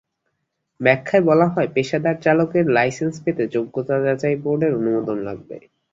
ব্যাখ্যায় বলা হয়, পেশাদার চালকের লাইসেন্স পেতে যোগ্যতা যাচাই বোর্ডের অনুমোদন লাগবে।